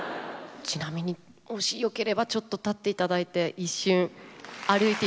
ちなみにもしよければちょっと立って頂いて一瞬歩いて頂けると。